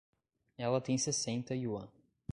Ela tem sessenta yuan